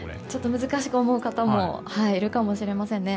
難しく思う方もいるかもしれませんね。